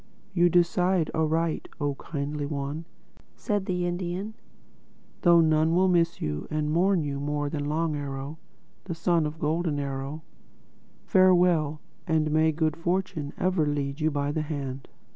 "You decide aright, oh Kindly One," said the Indian—"though none will miss and mourn you more than Long Arrow, the son of Golden Arrow—Farewell, and may good fortune ever lead you by the hand!"